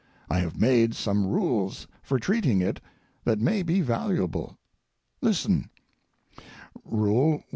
I have made some rules for treating it that may be valuable. Listen: Rule 1.